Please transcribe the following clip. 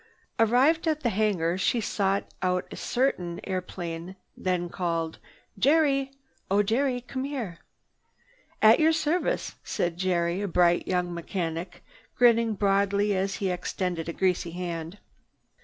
Arrived at the hangar she sought out a certain airplane, then called: "Jerry! Oh Jerry! Come here!" "At your service!" said Jerry, a bright young mechanic, grinning broadly as he extended a greasy hand.